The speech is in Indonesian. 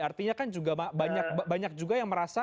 artinya kan juga banyak juga yang merasa